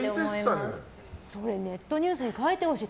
ネットニュースに書いてほしい。